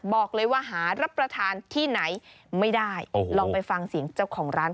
บอกเลยว่าหารับประทานที่ไหนไม่ได้ลองไปฟังเสียงเจ้าของร้านค่ะ